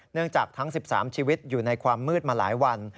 จากทั้ง๑๓ชีวิตอยู่ในความมืดมาหลายวัน